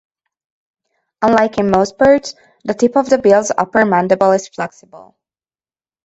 Unlike in most birds, the tip of the bill's upper mandible is flexible.